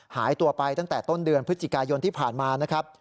หายตัวไปตั้งแต่ต้นเดือนพฤศจิกายนที่ผ่านมานะครับ